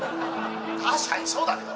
「確かにそうだけど」